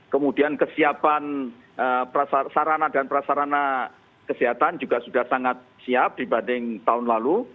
kemudian kesiapan sarana dan prasarana kesehatan juga sudah sangat siap dibanding tahun lalu